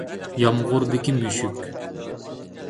يامغۇردىكى مۈشۈك